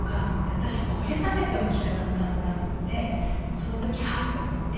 私これ食べて大きくなったんだってその時ハッて思って。